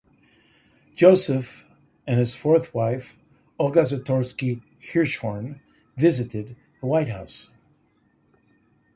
Joseph and his fourth wife, Olga Zatorsky Hirshhorn, visited the White House.